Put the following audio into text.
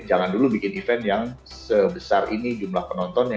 jangan dulu bikin event yang sebesar ini jumlah penontonnya